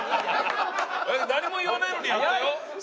誰も言わないのにやったよ！